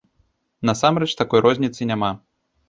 Насамрэч, такой розніцы няма.